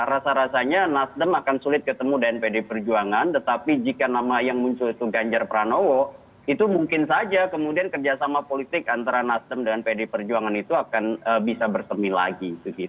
rasa rasanya nasdem akan sulit ketemu dengan pd perjuangan tetapi jika nama yang muncul itu ganjar pranowo itu mungkin saja kemudian kerjasama politik antara nasdem dan pd perjuangan itu akan bisa bersemi lagi